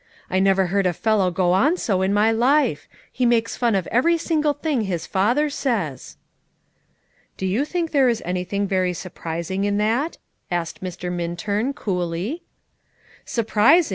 "I never heard a fellow go on so in my life; he makes fun of every single thing his father says." "Do you think there is anything very surprising in that?" asked Mr. Minturn coolly. "Surprising!